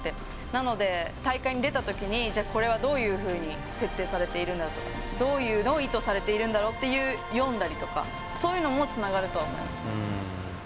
なので、大会に出たときに、じゃあこれはどういうふうに設定されているんだろうとか、どういうのを意図されているんだろうと読んだりとか、そういうのも、つながるとは思いますね。